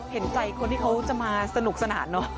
เห็นใจคนที่เขาจะมาสนุกสนานเนอะ